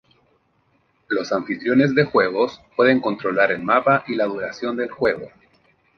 Los anfitriones de juegos pueden controlar el mapa y la duración del juego.